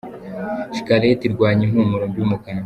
Shikarete irwanya impumuro mbi mu kanwa.